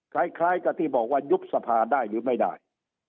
คล้ายกับที่บอกว่ายุบสภาได้หรือไม่ได้